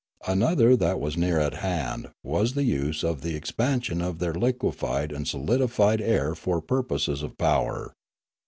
Another that was near at hand was the use of the expansion of their liquefied and solidified air for purposes of power.